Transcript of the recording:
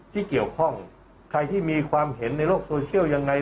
ที่เกี่ยวข้องใครที่มีความเห็นในโลกโซเชียลยังไง